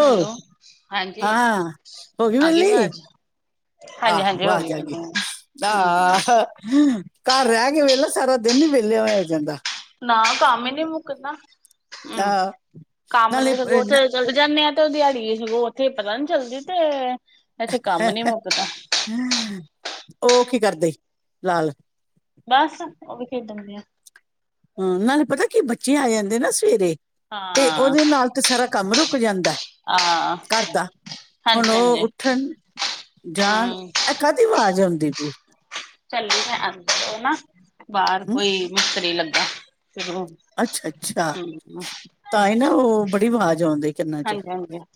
Hello ਹਾਂਜੀ ਹਾਂ ਹੋ ਆ ਗਈ ਵੇਲੀ ਵਾਜ਼। ਆਹ ਅਵਾਜ਼ ਆ ਗਈ ਹੂੰ ਆ। ਘਰ ਰਹਿ ਕੇ ਵੇਖ ਲੈ ਸਾਰਾ ਦਿਨ ਨੀ ਵਿਹਲਿਆ ਹੋਇਆ ਜਾਂਦਾ। ਕਿਦਾਂ ਹੁ ਆਹ ਕੰਮ ਨਾਲੇ ਤੇ ਸਗੋਂ ਅਹ ਉਥੇ ਚਲੇ ਜਾਨੇ ਆ ਉਥੇ ਦਿਹਾੜੀ ਸਗੋਂ ਉੱਥੇ ਪਤਾ ਨੀ ਚੱਲਦੀ ਤੇ ਇੱਥੇ ਕੰਮ ਨੀ ਮੁੱਕਦਾ। ਨ- ਉਹ ਕੀ ਕਰਦੇ ਈ ਲਾਲ। ਬਸ ਉਹ ਵੀ ਖੇਡਣ ਡਿਆ। ਹੂ, ਨਾਲੇ ਪਤਾ ਕੀ ਬੱਚੇ ਆ ਜਾਂਦੇ ਨਾ ਸਵੇਰੇ ਤੇ ਹਾਂ ਉਹਦੇ ਨਾਲ ਤੇ ਸਾਰਾ ਕੰਮ ਰੁਕ ਹਾਂ ਘਰਦਾ ਹੁਣ ਹਾਂਜੀ ਉਹ ਹਾਂਜੀ ਉੱਠਣ ਜਾਣ, ਹੂੰ ਇਹ ਕਾਦੀ ਆਵਾਜ਼ ਆਉਂ। ਚੱਲੀ ਮੈਂ ਅੰਦਰ ਉ ਨਾ, ਬਾਹਰ ਹਮ? ਕੋਈ ਮਿਸਤਰੀ ਲੱਗ [unintelligible] ਅੱਛਾ ਅੱਛਾ, ਹੂੰ ਤਾਂ ਹੀ ਨਾ ਉਹ ਬੜੀ ਆਵਾਜ਼ ਆਉਣ ਡਹੀ ਕੰਨਾਂ ਚ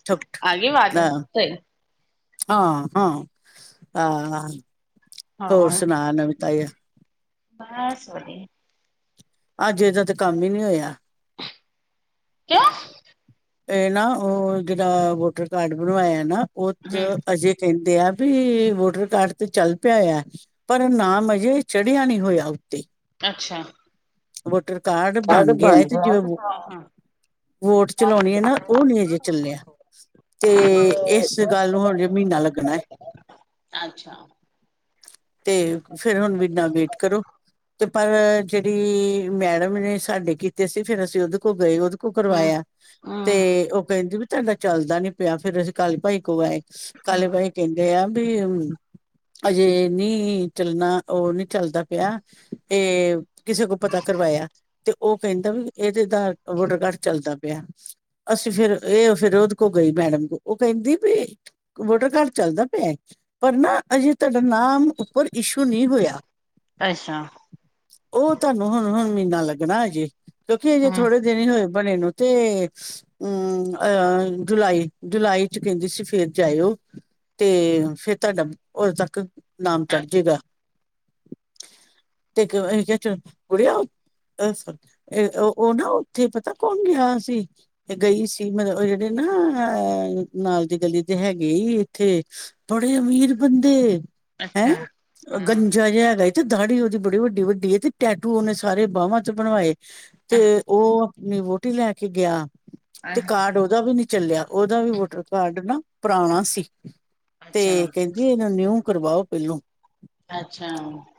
ਠੁਕ ਠੁਕ ਬੜੀ ਆਵਾਜ਼ [unintelligible] ਹਾਂ ਹਾਂ, ਅਹ ਹੋਰ ਸੁਣਾ ਨਵੀ ਤਾਜ਼ੀਆਂ? ਬਸ ਵਧੀ ਅੱਜ ਇਹਦਾ ਤੇ ਕੰਮ ਈ ਨੀ ਹੋਇਆ। ਕਿਉ? ਏ ਨਾ ਉਹ ਜਿਹੜਾ ਵੋਟਰ ਕਾਰਡ ਬਣਵਾਇਆ ਨਾ ਉਹ ਹੂੰ ਅਜੇ ਕਹਿੰ ਦੇ ਆ ਵੀ ਵੋਟਰ ਕਾਰਡ ਤੇ ਚੱਲ ਪਿਆ ਐ, ਪਰ ਨਾਮ ਅਜੇ ਚੜਿਆ ਨਹੀਂ ਹੋਇਆ ਉੱਤੇ। ਅੱਛਾ। ਵੋਟਰ ਕਾਰਡ ਬਣ ਗਿਆ ਹੈ ਤੇ ਜਿਵੇਂ ਵੋਟ ਚਲਾਉਣੀ ਐ ਨਾ ਉਹ ਨੀ ਅਜੇ ਚੱਲਿਆ। ਤੇ ਏਸ ਗੱਲ ਨੂੰ ਹੁਣ ਮਹੀਨਾ ਲੱਗਣਾ ਏ। ਅੱਛਾ। ਤੇ ਫੇਰ ਹੁਣ ਮਹੀਨਾ ਵੇਟ ਕਰੋ ਤੇ ਪਰ ਜਿਹੜੀ ਮੈਡਮ ਨੇ ਸਾਡੇ ਕੀਤੇ ਸੀ ਫੇਰ ਅਸੀਂ ਉਹਦੇ ਕੋਲ ਗਏ ਉਹ ਤੋਂ ਹੂੰ ਕਰਵਾਇਆ ਤੇ ਹੂੰ ਉਹ ਕਹਿੰਦੀ ਵੀ ਤੁਹਾਡਾ ਚੱਲਦਾ ਨੀ ਪਿਆ ਫੇਰ ਅਸੀਂ ਕਾਲੇ ਭਾਈ ਕੋਲ ਆਏ। ਕਾਲੇ ਬਾਈ ਕਹਿੰਦੇ ਆ ਵੀ ਅਜੇ ਨੀ ਚੱਲਨਾ, ਉਹ ਨੀ ਚੱਲਦਾ ਪਿਆ ਇਹ ਕਿਸ ਪਤਾ ਕਰਵਾਇਆ ਤੇ ਉਹ ਕਹਿੰਦਾ ਵੀ ਇਹਦੇ ਦਾ ਵੋਟਰ ਕਾਰਡ ਚੱਲਦਾ ਪਿਆ, ਅਸੀਂ ਫੇਰ ਇਹ ਫੇਰ ਉਹਦੇ ਕੋਲ ਗਈ ਮੈਡਮ ਕੋਲ, ਉਹ ਕਹਿੰਦੀ ਪੀ ਵੋਟਰ ਕਾਰਡ ਚਲ ਚਲਦਾ ਪਿਆ ਏ, ਪਰ ਨਾ ਅਜੇ ਤੁਹਾਡਾ ਨਾਮ ਉੱਪਰ ਇਸ਼ੂ ਨੀ ਹੋਇਆ। ਅੱਛਾ। ਉਹ ਤੁਹਾਨੂੰ ਹੁਣ ਹੁਣ ਮਹੀਨਾ ਲੱਗਣਾ ਅਜੇ ਕਿਉਂਕਿ ਅਜੇ ਹੂੰ ਥੋੜੇ ਦਿਨ ਹੀ ਹੋਏ ਬਣੇ ਨੂੰ ਤੇ ਊ ਅ ਜੁਲਾਈ ਜੁਲਾਈ ਚ ਕਹਿੰਦੀ ਸੀ ਫੇਰ ਜਾਇਓ ਤੇ ਫੇਰ ਤੁਹਾਡਾ ਉਦੋਂ ਤੱਕ ਨਾਮ ਚੜ ਜੇਗਾ ਤੇ ਅਸੀਂ ਕਿਹਾ ਚਲ ਕਿ [unintelligible] ਅ ਉਹ ਨਾ ਉੱਥੇ ਪਤਾ ਕੌਣ ਗਿਆ ਸੀ ਤੇ ਗਈ ਸੀ ਮਤਲਬ ਉਹ ਜਿਹੜੇ ਏ ਨਾ ਨਾਲ ਦੀ ਗਲੀ ਤੇ ਹੈਗੇ ਹੀ ਇੱਥੇ ਬੜੇ ਅਮੀਰ ਬੰਦੇ ਅੱਛਾ ਹੈਂ ਹਾਂ ਗੰਜਾ ਜਿਹਾ ਹੈਗਾ ਤੇ ਦਾੜੀ ਉਹਦੀ ਬੜੀ ਵੱਡੀ ਵੱਡੀ ਏ ਤੇ ਟੈਟੂ ਉਹਨੇ ਸਾਰੇ ਬਾਹਵਾਂ ਚ ਬਣਵਾਏ, ਤੇ ਉਹ ਅਪਨੀ ਵੋਹਟੀ ਲੈ ਕੇ ਗਿਆ। ਤੇ ਕਾਰਡ ਉਹਦਾ ਵੀ ਨਹੀਂ ਚੱਲਿਆ, ਉਹਦਾ ਵੀ ਵੋਟਰ ਕਾਰਡ ਨਾ ਪੁਰਾਣਾ ਸੀ। ਅੱਛਾ ਤੇ ਕਹਿੰਦੀ ਇਹਨੂੰ ਨਿਊ ਕਰਵਾਓ ਪਹਿਲੋਂ। ਅੱਛਾ।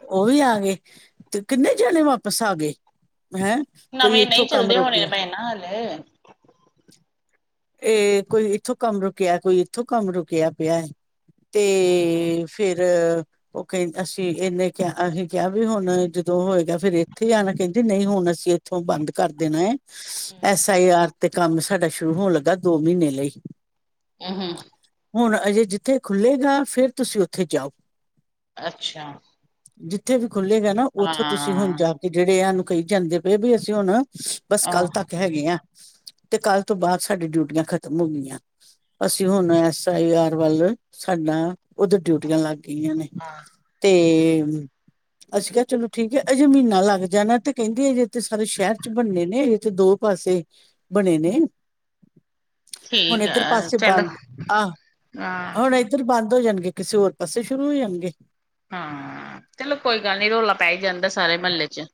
ਉਹ ਵੀ ਆ ਗਏ ਤੇ ਕਿੰਨੇ ਜਾਣੇ ਵਾਪਿਸ ਆ ਗੇ? ਹੈਂ ਕੋਈ ਨਵੇਂ ਇੱਥੋਂ ਨਹੀਂ ਕੰਮ ਚੱਲਦੇ ਰੁਕ ਹੋਣੇ ਗਿਆ ਪਏ ਨਾ ਹਾਲੇ ਏ ਕੋਈ ਇੱਥੋਂ ਕੰਮ ਰੁਕਿਆ, ਕੋਈ ਇੱਥੋਂ ਕੰਮ ਰੁਕਿਆ ਪਿਐ ਤੇ ਫੇਰ ਓ ਕ ਅਸੀਂ ਏਨੇ ਕਿਆ ਅਸੀ ਕਿਆ ਵੀ ਹੁਣ ਦੋਂ ਹੋਏਗਾ ਫੇਰ ਇੱਥੇ ਆਣਾ ਕਹਿੰਦੇ ਨਈ ਹੁਣ ਅਸੀਂ ਇੱਥੋਂ ਬੰਦ ਕਰ ਦੇਣਾ ਏ ਐਸ ਆਈ ਆਰ ਤੇ ਕੰਮ ਸਾਡਾ ਸ਼ੁਰੂ ਹੋਣ ਲੱਗਾ ਦੋ ਮਹੀਨੇ ਲਈ ਅ ਹ ਹੁਣ ਅਜੇ ਜਿੱਥੇ ਖੁੱਲੇਗਾ, ਫੇਰ ਤੁਸੀਂ ਉੱਥੇ ਜਾਓ ਅੱਛਾ। ਜਿੱਥੇ ਵੀ ਖੁੱਲੇਗਾ ਨਾ ਉੱਥੋਂ ਤੁਸੀਂ ਹੁਣ ਹਾਂ ਜਾ ਕੇ ਜੇੜ੍ਹੇ ਐਨੂੰ ਕਈ ਜਾਂਦੇ ਪਏ ਵੀ ਅਸੀਂ ਹੁਣ ਬਸ ਕੱਲ ਆਹ ਤੱਕ ਹੈਗੇ ਆ ਤੇ ਕੱਲ ਤੋਂ ਬਾਦ ਸਾਡੀ ਡਿਊਟੀਆਂ ਖਤਮ ਹੋ ਗਈਆਂ। ਅਸੀਂ ਹੁਣ ਐਸ ਆਈ ਆਰ ਵੱਲ ਸਾਡਾ ਉੱਧਰ ਡਿਊਟੀਆਂ ਲੱਗ ਗਈਆਂ ਨੇ ਤੇ ਅਸੀਂ ਕਿਹਾ ਚਲੋ ਠੀਕ ਏ ਅਜੇ ਮਹੀਨਾ ਲੱਗ ਜਾਣਾ ਤੇ ਕਹਿਦੇ ਅਜੇ ਤੇ ਸਾਰੇ ਸ਼ਹਿਰ ਚ ਬੰਨੇ ਨੇ ਅਜੇ ਤੇ ਦੋ ਪਾਸੇ ਬਣੇ ਨੇ। ਬ [inaudible] ਹੁਣ ਠੀਕ ਇੱਧਰ ਹੈ ਪਾਸੇ ਚਲੋ ਬੰਦ ਆ ਹਾਂ ਹੁਣ ਇੱਧਰ ਬੰਦ ਹੋ ਜਾਣ ਕਿਸੇ ਹੋਰ ਪਾਸੇ ਸ਼ੁਰੂ ਹੋ ਜਾਣਗੇ। ਹਾਂ ਚਲੋ ਕੋਈ ਗੱਲ ਨੀ ਰੌਲਾ ਪੈ ਈ ਜਾਂਦਾ ਸਾਰੇ ਮਹੱਲੇ ਚ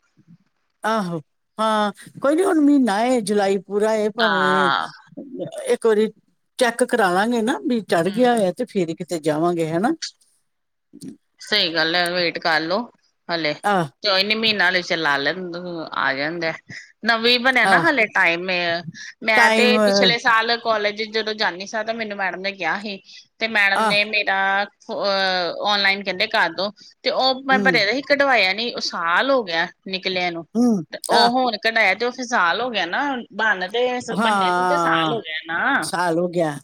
ਆਹੋ ਹਾਂ ਕੋਈ ਨੀ ਹੁਣ ਮਹੀਨਾ ਏ ਜੁਲਾਈ ਪੂਰਾ ਏ ਭਾਵੇਂ ਹਾਂ ਇੱਕ ਵਾਰੀ ਚੈੱਕ ਕਰਾ ਲਾਂਗੇ ਨਾ ਚੜ੍ਹ ਗਿਆ ਹੂੰ ਹੋਇਆ ਤੇ ਫੇਰ ਕਿਤੇ ਜਾਵਾਂਗੇ ਹੈਨਾ। ਸਈ ਗੱਲ ਏ ਵੇਟ ਕਰਲੋ ਹਲੇ ਆਹ ਕੋਈ ਨੀ ਮਹੀਨਾ ਹਲੇ ਚਲਾ ਲੈ ਆ ਜਾਂਦਾ। ਨਵੀਂ ਬਣਿਆ ਨਾ ਆਹ ਹਾਲੇ ਟਾਈਮ ਏ ਮੈਂ ਤੇ ਟਾਈਮ ਪਿਛਲੇ ਆਹ ਸਾਲ ਕਾਲਜ ਜਦੋਂ ਜਾਂਨੀ ਸਾ ਤੇ ਮੈਨੂੰ ਮੈਡਮ ਨੇ ਕਿਹਾ ਸੀ ਤੇ ਮੈਡਮ ਨੇ ਮੇਰਾ ਅ ਓਨਲਾਈਨ ਜੈਂਦੇ ਕਰਦੋ ਤੇ ਉਹ ਮੈਂ ਹਮ ਭਰਿਆਦਾ ਸੀ ਕਢਵਾਇਆ ਨੀ ਉਹ ਸਾਲ ਹੋ ਗਿਆ [inaudible] ਨਿਕਲਿਆ ਨੂੰ ਹਮ ਤੇ ਓ ਆਹ ਹੁਣ ਕਢਾਇਆ ਤੇ ਓਹ ਫਿਰ ਸਾਲ ਹੋ ਗਿਆ ਨਾ ਬਾਨ ਹਾਂ ਆ ਸਾਲ ਹੋ ਗਿਆ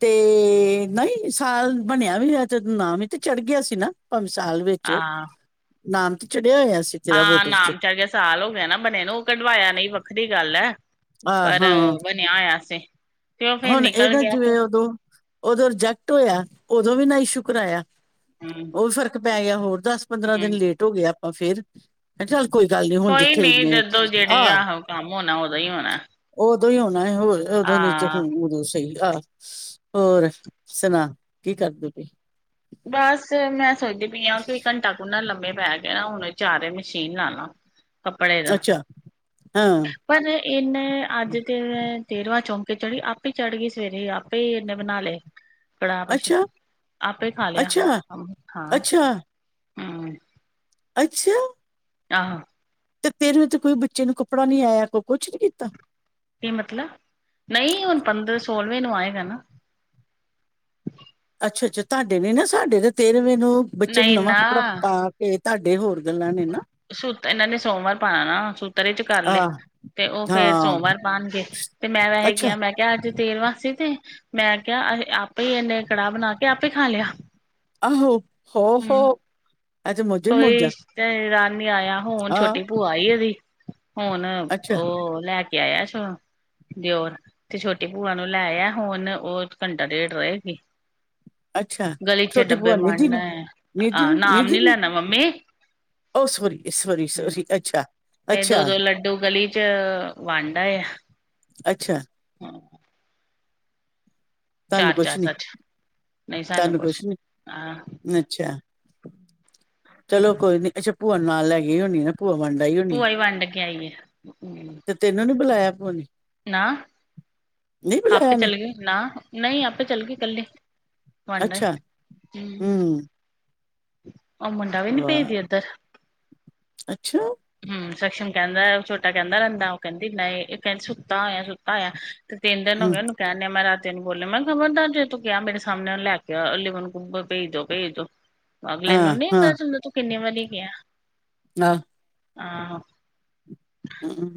ਤੇ ਨਈ ਸਾਲ ਬਨਿਆ ਵੀ ਹੋਆ ਤੇ ਨਾਂ ਵੀ ਤੇ ਚੜ੍ਹ ਗਿਆ ਸੀ ਨਾ ਭਾਵੇਂ ਸਾਲ ਵਿੱਚ ਹਾਂ ਨਾਮ ਤੇ ਚ ਚੜਿਆ ਹੋਇਆ ਸੀ ਤੇਰਾ ਹਾਂ ਵੋਟਰ ਨਾਮ ਚੜ ਗਿਆ ਸਾਲ ਹੋ ਗਿਆ ਨਾ ਬਣੇ ਨੂੰ ਓਹ ਕਢਵਾਇਆ ਨੀ ਵੱਖਰੀ ਗੱਲ ਏ ਆਹ ਪਰ ਹਾਂ ਵਨਿਆ ਹੋਇਆ ਸੀ। ਤੇ ਉਹ ਫੇਰ ਹੁਣ ਨਿਕਲ ਏਦਾ ਗਿਆ ਫਿਰ ਜਿਵੇਂ ਓਦੋਂ ਓਦੋਂ ਰਿਜੈਕਟ ਹੋਇਆ ਓਦੋਂ ਵੀ ਨ ਇਸ਼ੂ ਕਰਾਇਆ। ਹੂੰ ਓ ਫ਼ਰਕ ਪੈ ਗਿਆ ਹੋਰ ਦਸ ਪੰਦਰਾਂ ਦਿਨ ਹੂੰ ਲੇਟ ਹੋ ਗਿਆ ਆਪਾਂ ਫੇਰ ਚੱਲ ਕੋਈ ਗੱਲ ਨੀ ਹੁਣ ਕੋਈ ਜਿੱਥੇ ਨੀ ਇੰਨੇ ਹੋ ਜਦੋਂ ਜਿਹੜੇ ਆਹ ਆਹੋ ਕੰਮ ਹੋਣਾ ਉਦੋਂ ਹੀ ਹੋਣਾ ਓ ਓਦੋਂ ਈ ਹੋਣਾ ਏ ਹੋਰ ਓਦੋ [unintelligible] [inaudible] ਆਹ [unintelligible] ਆ ਹੋਰ ਸੁਣਾ ਕੀ ਕਰਦੀ ਪਈ ਬਸ ਮੈਂ ਸੋਚਦੀ ਪਈ ਆ ਕਿ ਘੰਟਾ ਕੁ ਨਾ ਲੰਮੇ ਪੈ ਕੇ ਨਾ ਹੁਣੇ ਜਾ ਕੇ ਮਸ਼ੀਨ ਲਾ ਲਾ ਕੱਪੜੇ ਦਾ ਅੱਛਾ ਹਾਂ ਪਰ ਏਨੇ ਅੱਜ ਤੇ ਤੇਰਵਾਂ ਚੌਂਕੇ ਚੜ੍ਹੀ ਆਪੇ ਚੜ੍ਹਗੀ ਸਵੇਰੇ ਈ ਆਪੇ ਈ ਏਨੇ ਬਨਾ ਲੇ। ਕੜਾਹ ਅੱਛਾ ਆਪੇ ਈ ਖਾ ਲਿਆ ਅੱਛਾ ਹਾਂ ਅੱਛਾ ਹੂੰ ਅੱਛਾ। ਆਹ। ਤੇ ਤੇਰੇ ਤੇ ਕੋਈ ਬੱਚੇ ਨੂੰ ਕੱਪੜਾ ਨੀ ਆਇਆ ਕੋ ਕੁਛ ਨੀ ਕੀਤਾ। ਕੀ ਮਤਲਬ ਨਈ ਹੁਣ ਪੰਦਰ ਸੋਲਵੇਂ ਨੂੰ ਆਏਗਾ ਨਾ ਅੱਛਾ-ਅੱਛਾ ਤੁਹਾਡੇ ਵੀ ਨਾ ਸਾਡੇ ਤੇ ਤੇਰਵੇਂ ਨੂੰ ਬੱਚੇ ਨੂੰ ਨਹੀਂ ਨਵਾਂ ਕੱਪੜਾ ਨਾ ਪਾ ਕੇ ਤਹਾਡੇ ਹੋਰ ਗੱਲਾਂ ਨੇ ਨਾ ਸੂਤ ਏਨਾਂ ਨੇ ਸੋਮਵਾਰ ਪਾਣਾ ਨਾ ਸੂਤਰ ਚ ਕਰ ਲੇ ਆਹ ਤੇ ਉਹ ਫੇਰ ਹਾਂ ਸੋਮਵਾਰ ਪਾਣਗੇ ਤੇ ਮੈਂ ਵੇਹੇ ਅੱਛਾ ਕਿਹਾ ਮੈਂ ਕਿਹਾ ਅੱਜ ਤੇਰਵਾਂ ਸੀ ਤੇ ਮੈਂ ਕਿਹਾ ਆਪੇ ਇਹਨੇ ਕੜਾਹ ਬਣਾ ਕੇ ਆਪੇ ਖਾ ਲਿਆ। ਆਹੋ ਸੋ ਹੂੰ, ਸੋ। ਕੋਈ ਤੇ ਰਾਤ [inaudible] ਆਇਆ ਹੁਣ ਆਹ ਛੋਟੀ ਭੂਆ ਆਈ ਉਹਦੀ ਹੁਣ ਅੱਛਾ ਉਹ ਲੈ ਕੇ ਆਇਆ ਦਿਓਰ ਤੇ ਛੋਟੀ ਭੂਆ ਨੂੰ ਲੈ ਇਆ ਹੁਨ ਉਹ ਘੰਟਾ ਡੇਢ ਰਹੇਗੀ। ਅੱਛਾ ਗਲੀ ਚ ਛੋਟੀ ਡੱਬੇ ਭੂਆ ਨਿਧੀ ਵੰਡ ਨੂੰ ਨਿਧੀ ਆਏ ਨੂੰ ਨਾਮ ਨਿਧੀ ਨੀ ਨੂੰ ਲੇਣਾ ਓ ਸੋਰੀ- ਸੋਰੀ - ਸੋਰੀ ਅੱਛਾ। ਤੇ ਅੱਛਾ ਦੋ-ਦੋ ਲੱਡੂ ਗਲੀ ਚ ਵੰਡ ਆਇਆ। ਅੱਛਾ। ਤੁਹਾਨੂੰ ਕੁਛ ਚਾਰ-ਚਾਰ ਨੀ ਸੱਚ। ਨਹੀਂ ਸਾਨੂੰ ਤੁਹਾਨੂੰ ਕੁਛ ਨੀ ਹਾਂ ਅੱਛਾ। ਚਲੋ ਕੋਈ ਨੀ ਅੱਛਾ ਭੂਆ ਨਾਲ ਲੈ ਗਈ ਹੋਣੀ ਆ। ਭੂਆ ਵੰਡ ਆਈ ਹੁਨੀ ਭੂਆ ਹੀ ਵੰਡ ਕੇ ਆਈ ਹੂੰ ਏ, ਤੇ ਤੈਨੂੰ ਨੀ ਬੁਲਾਇਆ ਭੂਆ ਨੇ? ਨਾ, ਨਹੀਂ ਬੁਲਾਇਆ ਆਪੇ ਨੇ ਚੱਲ ਗਈ। ਨਾ ਨਹੀਂ ਆਪੇ ਚੱਲ ਗਈ ਕੱਲੇ। ਵੰਡ ਆਏ। ਅੱਛਾ ਹੂੰ ਉਹ ਮੁੰਡਾ ਵੀ ਨੀ ਭੇਜਦੀ ਵਾਹ ਏਦਰ, ਅੱਛਾ ਹਮ ਸਖਸ਼ਮ ਕਹਿੰਦਾ ਛੋਟਾ ਕਹਿੰਦਾ ਰਹਿੰਦੇ ਉਹ ਕਹਿੰਦੀ ਨਈ ਇਹ ਕਹਿੰਦੀ ਸੁੱਤਾ ਹੋਇਆ ਸੁੱਤਾ ਹੋਇਆ ਤੀਨ ਦਿਨ ਹੋ ਹੂੰ ਗਏ ਨੇ ਉਹਨੂੰ ਕਹਨੇ ਆ ਮੈਂ ਰਾ ਤੇ ਨੀ ਬੋਲਿਆ ਮੈਂ ਕਿਹਾ ਖਬਰਦਾਰ ਜੇ ਤੂੰ ਕਿਹਾ ਮੇਰੇ ਸਾਹਮਣੇ ਲੈ ਕੇ ਆ ਅ ਲਿਵਨ ਭੇਜ ਦੋ-ਭੇਜ ਦੋ। ਅਗਲੇ ਨੂੰ ਹਾਂ ਨੀ ਹਾਂ ਪਤਾ ਚਲਦਾ ਤੂੰ ਕਿੰਨੀ ਵਾਰੀ ਗਿਆ। ਆਹ। ਆਹ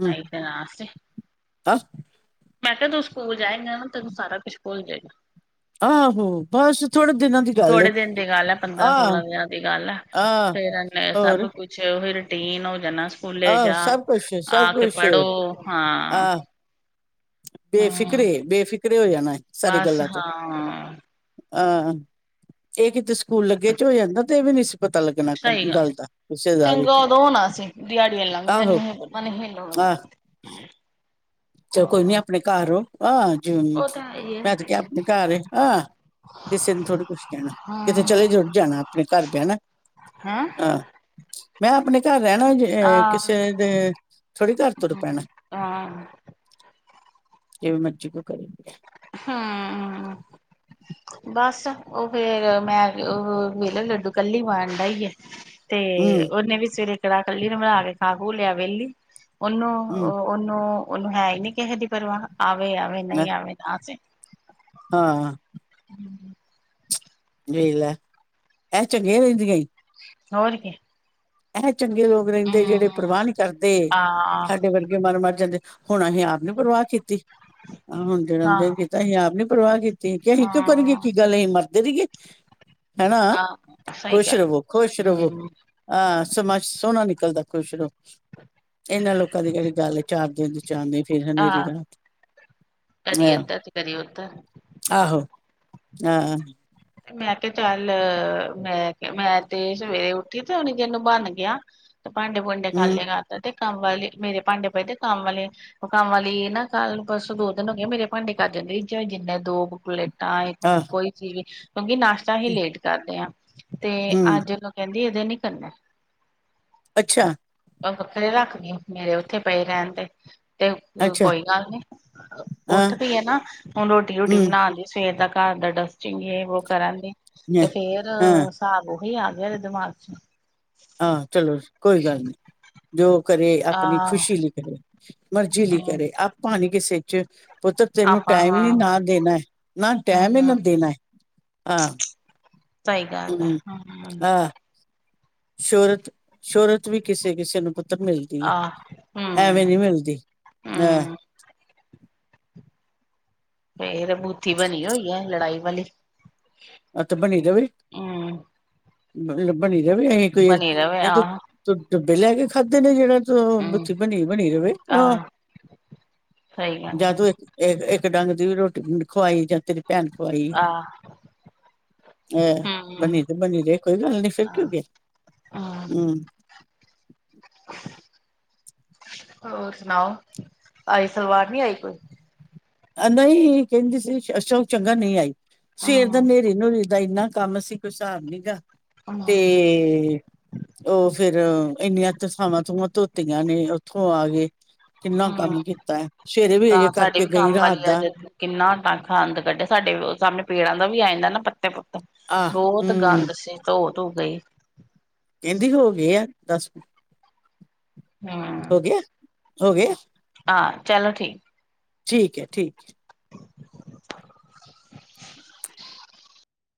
ਪਈ ਤੇ ਨ ਸੇ ਹਾ ਮੈਂ ਕਿਹਾ ਤੂੰ ਸਕੂਲ ਜਾਏਗਾ ਨਾ ਤੈਨੂੰ ਸਾਰਾ ਕੁਛ ਭੁੱਲ ਆਹੋ ਬਸ ਥੋੜੇ ਦਿਨਾਂ ਦੀ ਜੇਗਾ। ਗੱਲ ਏ ਥੋੜੇ ਦਿਨ ਦੀ ਗੱਲ ਹੈ ਪੰਦਰਾਂ ਆਹ ਸੋਲਾਂ ਦਿਨਾਂ ਦੀ ਗੱਲ ਹੈ। ਆਹ ਫੇਰ ਏਨੇ ਸਭ ਹੋਰ ਕੁਛ ਉਹੀ ਰੂਟੀਨ ਹੋ ਜਾਨਾ ਸਕੂਲੇ ਆਹ ਜਾ ਸਭ ਕੁਛ ਆ ਸਭ ਕੇ ਕੁਛ ਪੜ੍ਹੋ, ਹਾਂ। ਹਮ ਬੇਫਿਕਰੇ-ਬੇਫਿਕਰੇ ਹੋ ਜਾਣਾ ਸਾਰੀ ਬਸ ਗੱਲਾਂ ਤੋਂ। ਹਾਂ ਹਾਂ, ਇਹ ਕਿਤੇ ਸਕੂਲ ਲੱਗੇ ਚ ਹੋ ਜਾਂਦਾ ਤੇ ਏ ਵੀ ਪਤਾ ਲੱਗਣਾ ਕੰ ਗੱਲ ਦਾ ਕਿਸੇ ਦਾ ਵੀ, ਚੰਗਾ ਉਦੋਂ ਹੋਣਾ ਸੀ ਦਿਹਾੜੀਆਂ ਆਹੋ। ਆਹ। ਹਮ। ਚਲੋ ਕੋਈ ਨੀ ਅਪਨੇ ਘਰ ਰੌਂ, ਆ ਜੂ ਉਹ ਤਾਂ ਹੈ ਹੀ ਮੈਂ ਤੇ ਹੈ। ਕਿਹਾ ਅਪਨੇ ਘਰ ਏ। ਕਿਸੇ ਨੂੰ ਥੋੜੀ ਕੁਛ ਕਹਿਣਾ ਕਿਤੇ ਚਲੇ ਹਾਂ [unintelligible] ਜਾਣਾ ਆਪਣੇ ਘਰ ਬੇਣਾ। ਹੈਂ। ਮੈਂ ਅਪਨੇ ਘਰ ਰਹਿਣਾ ਜੇ ਆਹ ਕਿਸੇ ਦੇ ਥੋੜ੍ਹੀ ਘਰ ਤੁਰ ਪੈਣੇ ਹਾਂ ਕਿਵੇ ਮਰਜ਼ੀ ਕੋਈ ਕਰੇ ਹਮਮ। ਬਸ, ਉਹ ਫੇਰ ਮੈਂ ਉਹ ਵੇਹਲਾ ਲੱਡੂ ਕੱਲੀ ਵੰਡ ਆਇ ਏ। ਤੇ ਹੂੰ ਉਹਨੇ ਵੀ ਸਵੇਰੇ ਕੜਾਹ ਕੱਲੀ ਬਣਾ ਕੇ ਖਾ ਖੂ ਲਿਆ ਵੇਹਲੀ। ਉਹਨੂੰ- ਹੂੰ ਉਹਨੂੰ-ਉਹਨੂੰ ਹੈ ਈ ਨੀ ਕਿਸੇ ਦੀ ਪਰਵਾਹ ਆਵੇ-ਆਵੇ ਮੈਂ- ਨਹੀਂ ਆਵੇ। ਆਸੇ ਹਾਂ। ਵੇਖ ਲੈ ਇਹ ਚੰਗੀਆਂ ਰਹਿੰਦੀਆਂ ਈ । ਹੋਰ ਕੀ। ਇਹ ਚੰਗੇ ਲੋਕ ਰਹਿੰਦੇ ਹੂੰ ਜਿਹੜੇ ਪ੍ਰਵਾਹ ਨੀ ਕਰਦੇ, ਹਾਂ ਸਾਡੇ ਵਰਗੇ ਮਨ ਮਰ ਜਾਂਦੇ। ਹੁਣ ਅਹੀ ਆਪ ਨੀ ਪਰਵਾਹ ਕੀਤੀ, ਆ ਹੁਣ ਜਹੜਮਦਿਨ ਹਾਂ ਕੀਤਾ ਸੀਂ ਆਪ ਨੀ ਪਰਵਾਹ ਕੀਤੀ। ਤੇ ਕਿ ਅਹੀ ਕਿਉ ਕਰੀਏ ਕੀ ਹਾਂ। ਗੱਲ ਅਹੀ ਮਰਦੇ ਰਹੀਏ। ਹੇਨਾ ਆਹ ਸਹੀ ਖੁਸ਼ ਗੱਲ ਰਵੋ ਖੁਸ਼ ਰਵੋ। ਹੂੰ ਹਾਂ, ਸਮਾਂ ਸੋਹਣਾ ਨਿਕਲਦਾ ਖੁਸ਼ ਰੋ ਇਹਨਾਂ ਲੋਕਾਂ ਦੀ ਜੇਹੜੀ ਗੱਲ ਏ ਚਾਰ ਦੇਨ ਦੀ ਚਾਦਨੀ ਫੇਰ ਹਨੇਰੀ ਆਹ ਰਾਤ ਕਦੀ ਆਹ ਏਦਰ ਤੇ ਕਦੀ ਉਧਰ ਆਹੋ ਆਹ ਮੈਂ ਕਿਹਾ ਚੱਲ, ਮੈਂ ਕਿਹਾ ਮੈਂ ਤੇ ਸਵੇਰੇ ਉੱਠੀ ਤੇ ਉਹਨੇ [unintelligible] ਨੂੰ ਬੰਨ ਗਿਆ। ਭਾਂਡੇ ਭੁਡੇ ਖਾਲੀ ਹਮ ਕਰਤੇ ਤੇ, ਕੰਮ ਵਾਲੀ ਮੇਰੇ ਭਾਂਡੇ ਪਏਦੇ ਕੰਮ ਵਾਲੀ ਕੰਮ ਵਾਲੀ ਨਾ ਕੱਲ ਬਸ ਦੋ ਦਿਨ ਹੋ ਗਏ ਮੇਰੇ ਭਾਂਡੇ ਕਰਦੇ। ਜਾਂ ਜਿੰਨੇ ਦੋ ਕੁਲੇ, ਤਾਂ ਇੱਕ ਆਹ ਕੋਈ ਚੀਜ਼, ਕਿਉਂਕਿ ਨਾਸ਼ਤਾ ਅਸੀਂ ਲੇਟ ਕਰਦੇ ਆ ਤੇ ਹਮ ਅੱਜ ਕੇਹਿੰਦੀ। ਦੇ ਨੀ ਕਰਨੇ, ਅੱਛਾ, ਉਹ ਵੱਖਰੇ ਰੱਖਦੀ, ਮੇਰੇ ਉੱਥੇ ਪਏ ਰਹਿਨ ਦੇ ਤੇ ਅੱਛਾ ਕੋਈ ਗੱਲ ਨੀ ਹਾਂ ਉੱਠ ਪਈ ਐ ਨਾ, ਹੁਨ ਰੋਟੀ ਰੂਟੀ ਹਮ ਬਣਾ ਲੀ ਸਵੇਰ ਤੱਕ, ਘਰ ਦਾ ਡਸਟਿੰਗ ਵੋ ਕਰਾਂਗੇ ਤੇ ਫਿਰ ਹਾਂ ਸਾ ਆ ਗਿਆ ਦਿਮਾਗ ਚ ਹਾਂ ਚਲੋ ਕੋਈ ਗੱਲ ਨੀ ਜੋ ਕਰੇ ਆਪਣੀ ਆਹ ਖੁਸ਼ੀ ਲਈ ਕਰੇ ਮਰਜ਼ੀ ਲਈ ਹਮ ਕਰੇ ਆਪਾਂ ਨੀ ਕਿਸੇ ਚ ਪੁੱਤਰ ਤੈਨੂੰ ਆਪਾਂ ਟਾਈਮ ਨੀ ਹਾਂ ਨਾ ਦੇਣਾ ਹੈ ਨਾ ਟਾਈਮ ਹੀ ਨਾ ਹਮ ਦੇਣਾ ਹੈ ਹਾਂ ਸਹੀ ਗੱਲ ਹੈ ਹਮ ਹੂੰ, ਸ਼ੋਰਤ ਸ਼ੋਹਰਤ ਵੀ ਕਿਸੇ ਕਿਸੇ ਨੂੰ ਪਤਾ। ਮਿਲਦੀ ਆਹ ਹੈ ਹਮ ਐਵੇਂ ਨਹੀਂ ਮਿਲਦੀ ਹਹ ਹਮ ਇਹ ਬੂਥ ਬਣੀ ਹੋਈ ਹੈ ਲੜਾਈ ਵਾਲੀ ਅਤੇ ਬਣੀ ਰਵੇ ਹਮ ਬਣੀ ਰਵੇ ਅਸੀਂ ਕੋਈ ਬਣੀ ਰਵੇ ਆਹ ਤੂੰ ਡੱਬੇ ਲੈ ਕੇ ਖਾਧੇ ਨੇ ਜਿਹੜਾ ਤੂੰ ਹਮ ਬਥੀ ਬਣੀ ਬਣੀ ਰਹੇ ਹਾਂ [unintelligible] ਸਹੀ ਜਾਂ ਗੱਲ ਤੂੰ ਇੱਕ ਇੱਕ, ਡੰਗ ਦੀ ਵੀ ਰੋਟੀ ਖਵਾਈ ਜਾਂ ਤੇਰੀ ਭੈਣ ਖਵਾਈ ਆਹ ਹੈਹ ਹਮ ਬਣੀ ਤੇ ਬਣੀ ਰ ਕੋਈ ਗੱਲ ਨਹੀਂ ਫਿਰ ਕਿਉਕਿ ਹਮ ਹੂੰ, ਹੋਰ ਸੁਣਾਓ? ਆਈ ਸਲਵਾਰ ਨੀ ਆਈ ਕੋਈ ਨਹੀਂ ਕਹਿੰਦੀ ਸੀ ਅਛਾ ਚੰਗਾ ਨਹੀਂ ਆਈ ਸਵੇਰ ਦਾ ਹਮ ਨੇਰੇ ਦਾ ਇੰਨਾ ਕੰਮ ਅਸੀਂ ਕੁਈ ਸਾਬ ਨੀ ਸੀਗਾ ਤੇ ਉਹ ਫਿਰ ਫਿਰ ਇੰਨੀਆਂ ਤਥਾਵਾਂ ਥੂਵਾਂ ਧੋਤੀਆਂ ਨੇ ਉੱਥੋਂ ਆਗੇ ਕਿੰਨਾ ਕੰਮ ਹਮ ਕੀਤਾ ਸਵੇਰੇ ਵੀ ਤਾਂ ਅਜੇ ਸਾਡੇ ਕਰਕੇ ਵੀ ਗਈ ਕੰਮ ਰਾਤ ਵਾਲੀ ਦਾ ਅੱਜ ਕਿੰਨਾ ਟਾਂਖਾ ਅੰਦ ਕੱਢੇ ਸਾਡੇ ਵੀ ਉਹ ਸਾਹਮਣੇ ਪੇੜ ਦਾ ਵੀ ਆ ਜਾਂਦਾ ਨਾ ਪੱਤੇ ਪੁੱਤੇ ਆਹ ਬਹੁਤ ਹਮ ਗੰਦ ਸੀ ਧੋ ਧੋ ਗਈ। ਕਹਿੰਦੀ ਹੋ ਗਏ ਆ ਦੱਸ ਹੂੰ ਹੋ ਗਿਆ ਆ ਚਲੋ ਠੀਕ, ਠੀਕ ਹੈ ਠੀਕ ਹੈ, [unintelligible]